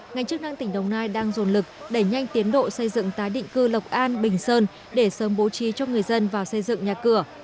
ngành chức năng tỉnh đồng nai đang dồn lực đẩy nhanh tiến độ xây dựng tái định cư lộc an bình sơn để sớm bố trí cho người dân vào xây dựng nhà cửa